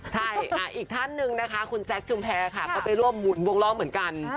ใช่อีกท่านหนึ่งนะคะคุณแจ๊คชุมแพรค่ะก็ไปร่วมวงล้อเหมือนกัน